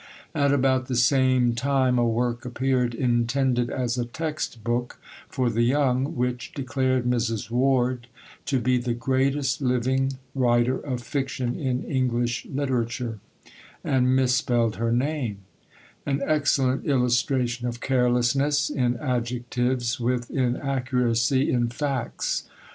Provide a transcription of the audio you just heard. At about the same time a work appeared intended as a text book for the young, which declared Mrs. Ward to be "the greatest living writer of fiction in English literature," and misspelled her name an excellent illustration of carelessness in adjectives with inaccuracy in facts.